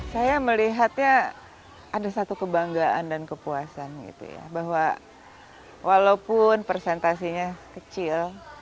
saya melihatnya ada satu kebanggaan dan kepuasan gitu ya bahwa walaupun presentasinya kecil